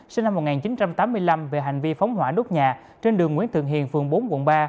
sinh năm một nghìn chín trăm tám mươi năm về hành vi phóng hỏa đốt nhà trên đường nguyễn thượng hiền phường bốn quận ba